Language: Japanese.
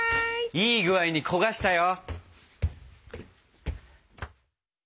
いい具合に焦がしたよ！